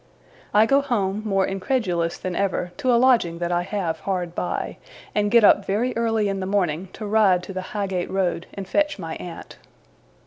I go home, more incredulous than ever, to a lodging that I have hard by; and get up very early in the morning, to ride to the Highgate road and fetch my aunt.